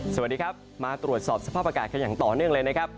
สวัสดีครับมาตรวจสอบสภาพอากาศกันอย่างต่อเนื่องเลยนะครับ